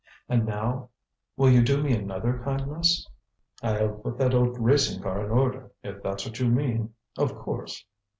And now will you do me another kindness?" "I'll put that old racing car in order, if that's what you mean. Of course."